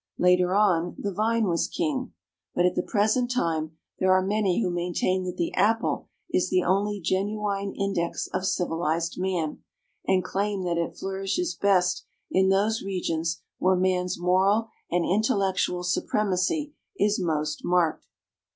Later on, the vine was king, but at the present time there are many who maintain that the Apple is the only genuine index of civilized man, and claim that it flourishes best in those regions where man's moral and intellectual supremacy is most marked.